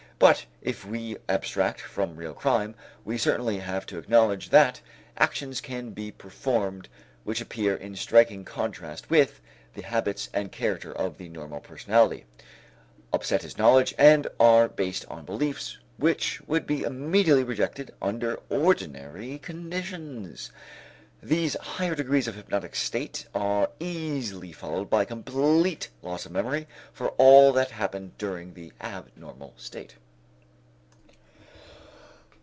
But if we abstract from real crime, we certainly have to acknowledge that actions can be performed which appear in striking contrast with the habits and character of the normal personality, upset his knowledge, and are based on beliefs which would be immediately rejected under ordinary conditions. These higher degrees of hypnotic state are easily followed by complete loss of memory for all that happened during the abnormal state.